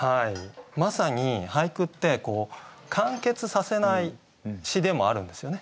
まさに俳句ってこう完結させない詩でもあるんですよね。